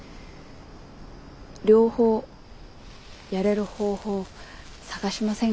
両方やれる方法探しませんか？